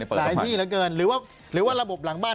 หลายที่เหลือเกินหรือว่าระบบหลังบ้าน